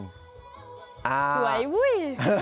สวยอุ้ย